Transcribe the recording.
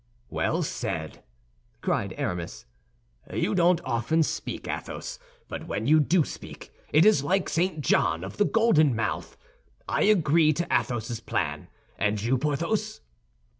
"Well said," cried Aramis; "you don't often speak, Athos, but when you do speak, it is like St. John of the Golden Mouth. I agree to Athos's plan. And you, Porthos?"